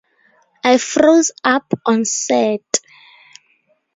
I froze up on set.